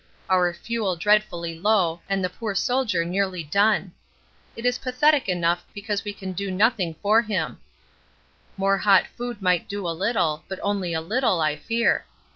Our fuel dreadfully low and the poor Soldier nearly done. It is pathetic enough because we can do nothing for him; more hot food might do a little, but only a little, I fear.